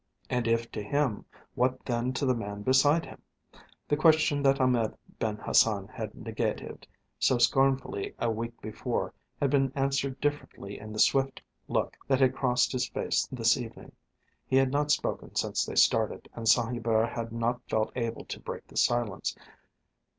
And if to him, what then to the man beside him? The question that Ahmed Ben Hassan had negatived so scornfully a week before had been answered differently in the swift look that had crossed his face this evening. He had not spoken since they started, and Saint Hubert had not felt able to break the silence.